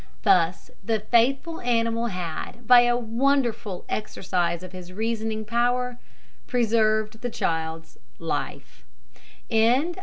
Thus the faithful animal had, by a wonderful exercise of his reasoning power, preserved the child's life.